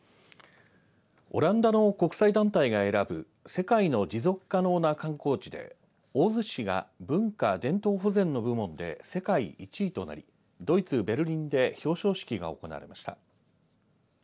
オランダの国際団体が選ぶ世界の持続可能な観光地で大洲市が文化・伝統保全の部門で世界１位となりドイツ、ベルリンで表彰式が行われました。